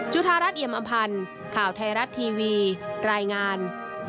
รัฐเอียมอำพันธ์ข่าวไทยรัฐทีวีรายงาน